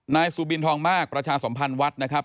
นายสุบินทองมากประชาสมพันธ์วัดนะครับ